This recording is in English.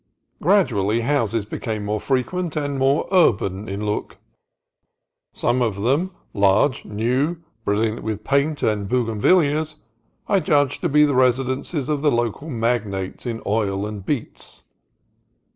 Gradually houses became more frequent and more urban in look. Some of them, large, new, and bril liant with paint and bougainvilleas, I judged to be the residences of the local magnates in oil and beets.